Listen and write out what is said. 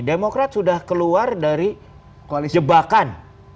demokrat sudah keluar dari koalisi jebakan